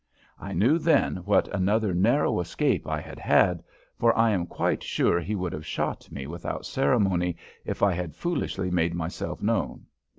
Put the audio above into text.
I knew then what another narrow escape I had had, for I am quite sure he would have shot me without ceremony if I had foolishly made myself known.